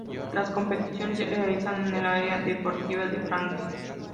Las competiciones se realizaron en la Arena Deportiva de Flandes.